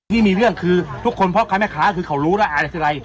ที่มีเรื่องคือทุกคนพ่อค้าแม่ค้าคือเขารู้แล้วอะไรคืออะไร